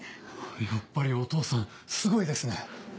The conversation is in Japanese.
やっぱりお父さんすごいですね。